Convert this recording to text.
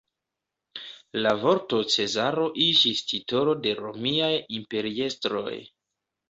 La vorto cezaro iĝis titolo de romiaj imperiestroj.